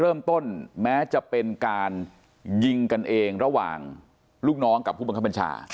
เริ่มต้นแม้จะเป็นการยิงกันเองระหว่างลูกน้องกับผู้บังคับบัญชา